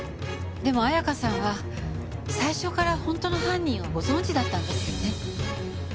でも彩華さんは最初から本当の犯人をご存じだったんですよね？